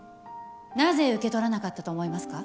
なぜ受け取らなかったと思いますか？